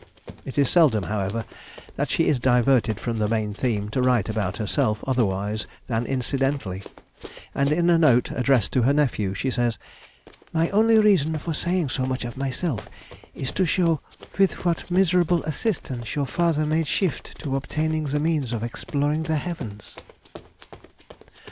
It is seldom, however, that she is diverted from the main theme to write about herself otherwise than incidentally, and in a note addressed to her nephew, she says:—"My only reason for saying so much of myself is to show with what miserable assistance your father made shift to obtaining the means of exploring the heavens."